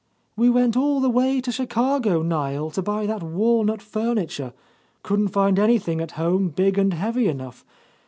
"We went all the way to Chicago, Niel, to buy that walnut furniture, couldn't find anything at home big and heavy enough.